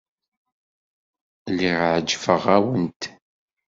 Lliɣ ɛejbeɣ-awent.